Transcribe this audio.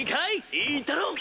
いいだろ？